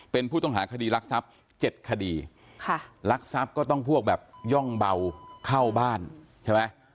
เป็นผู้ต้องหาคดีรักทรัพย์๗คดีค่ะรักทรัพย์ก็ต้องพวกแบบย่องเบาเข้าบ้านใช่ไหม